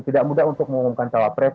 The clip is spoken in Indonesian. tidak mudah untuk mengumumkan cawapres